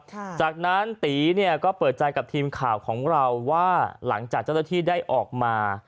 จากนั้นตีเนี่ยก็เปิดใจกับทีมข่าวของเราว่าหลังจากเจ้าหน้าที่ได้ออกมา